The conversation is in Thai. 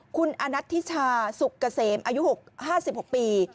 คุณอนัทธิชาสุกเกษมอายุ๕๖ปี